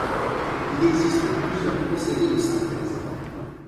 Il existe plusieurs procédés de synthèse.